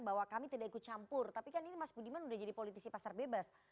bahwa kami tidak ikut campur tapi kan ini mas budiman sudah jadi politisi pasar bebas